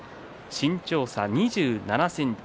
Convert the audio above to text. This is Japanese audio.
身長差は２７ｃｍ。